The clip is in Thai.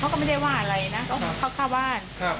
เขาก็ไม่ได้ว่าอะไรนะเขาเข้าบ้าน